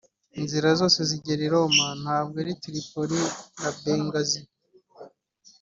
Inzira zose zigera i Roma ntabwo ari Tripoli na Bengazi